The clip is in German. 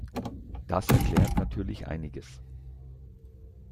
Das erklärt natürlich einiges.